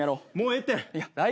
ええって。